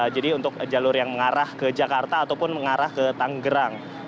jadi untuk jalur yang mengarah ke jakarta ataupun mengarah ke tangerang